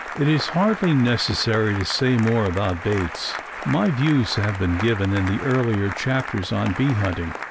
It is hardly necessary to say more about baits. My views have been given in the earlier chapters on bee hunting.